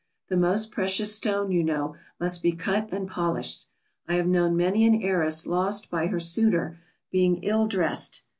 The most precious stone, you know, must be cut and polished. I have known many an heiress lost by her suitor being ill dressed.